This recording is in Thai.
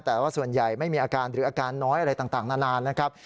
แต่ว่าส่วนใหญ่ไม่มีอาการหรืออาการน้อยอะไรต่างนานนะครับ